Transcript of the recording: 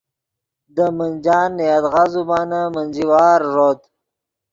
دے منجان نے یدغا زبانن منجی وار ݱوت